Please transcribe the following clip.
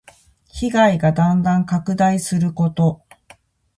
被害がだんだん拡大すること。